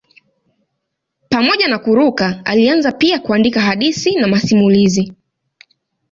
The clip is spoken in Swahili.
Pamoja na kuruka alianza pia kuandika hadithi na masimulizi.